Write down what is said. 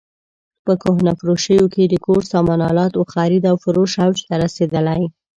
په کهنه فروشیو کې د کور سامان الاتو خرید او فروش اوج ته رسېدلی.